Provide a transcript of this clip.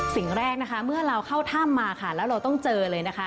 สิ่งแรกนะคะเมื่อเราเข้าถ้ำมาค่ะแล้วเราต้องเจอเลยนะคะ